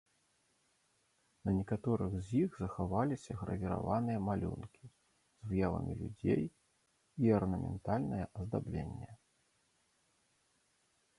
На некаторых з іх захаваліся гравіраваныя малюнкі з выявамі людзей і арнаментальнае аздабленне.